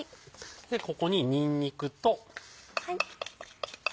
ここににんにくと。